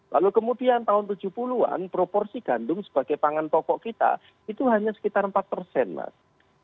lalu kemudian tahun tujuh puluh an proporsi gandum sebagai pangan pokok kita itu hanya sekitar empat mas